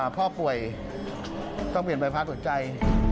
พ่อป่วยต้องเปลี่ยนใบพัดหัวใจ